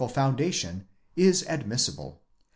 67 foundation is admissible.